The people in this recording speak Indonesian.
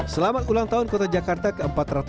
selamat ulang tahun kota jakarta ke empat ratus empat puluh